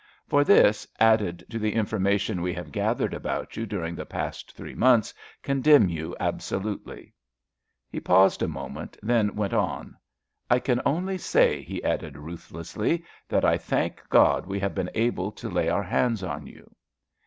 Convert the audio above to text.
For this, added to the information we have gathered about you during the past three months, condemns you absolutely." He paused a moment, then went on. "I can only say," he added ruthlessly, "that I thank God we have been able to lay our hands on you."